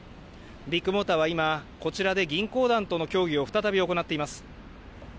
ビッグモーターは今こちらで銀行団との協議を再び行っています。